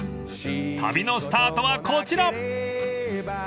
［旅のスタートはこちら！］